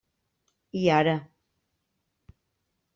I ara.